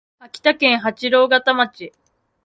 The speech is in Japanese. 秋田県八郎潟町